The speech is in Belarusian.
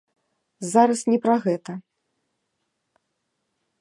Зараз не пра гэта.